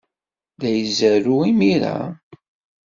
La izerrew imir-a?